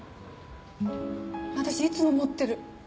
私いつも持ってる。